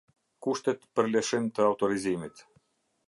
Kushtet për lëshim të autorizimit.